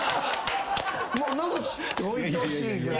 もう「野口」って置いてほしいぐらい。